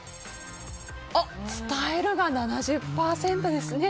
伝えるが７０％ですね。